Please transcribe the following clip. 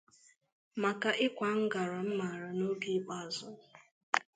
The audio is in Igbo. maka ịkwa ngara m mara n'oge ikpeazụ.